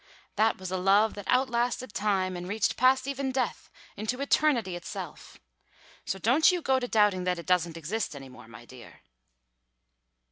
That was a love that outlasted time and reached past even death into eternity itself. So don't you go to doubting that it doesn't exist any more, my dear."